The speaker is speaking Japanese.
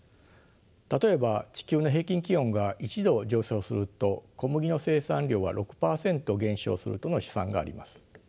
例えば地球の平均気温が１度上昇すると小麦の生産量は６％減少するとの試算があります。